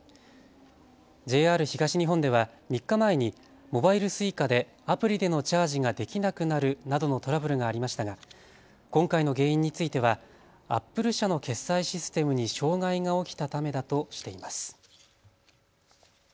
ＪＲ東日本では３日前にモバイルＳｕｉｃａでアプリでのチャージができなくなるなどのトラブルがありましたが今回の原因についてはアップル社の決済システムに障害が起きたためだとしています。